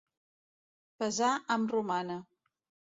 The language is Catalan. Pesar amb romana.